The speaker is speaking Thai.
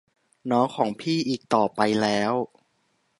น้องของพี่อีกต่อไปแล้ว